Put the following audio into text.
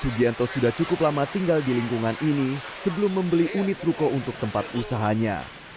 sugianto sudah cukup lama tinggal di lingkungan ini sebelum membeli unit ruko untuk tempat usahanya